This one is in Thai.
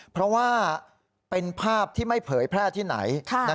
เพราะว่าเป็นภาพที่ไม่เผยแพร่ที่ไหน